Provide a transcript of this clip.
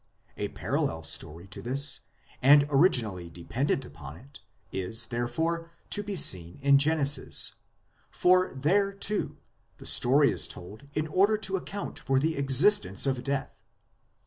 A parallel story to this, and originally dependent upon it, is, therefore, to be seen in Genesis ; for there, too, the story is told in order to account for the existence of death.